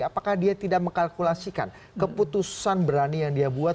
apakah dia tidak mengkalkulasikan keputusan berani yang dia buat